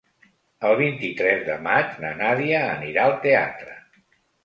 El vint-i-tres de maig na Nàdia anirà al teatre.